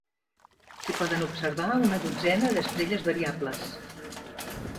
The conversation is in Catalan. S'hi poden observar una dotzena d'estrelles variables.